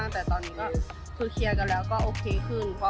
แต่ตอนนี้ก็คือเคลียร์กันแล้วก็โอเคขึ้น